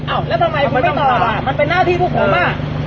แล้วทำไมคุณไม่ตอบอ่ะมันเป็นหน้าที่พวกผมอ่ะ